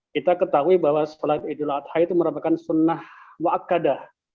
kita ketahui bahwa sholat idul adha itu merupakan sunnah wakadah ⁇